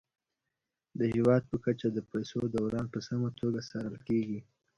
د هیواد په کچه د پيسو دوران په سمه توګه څارل کیږي.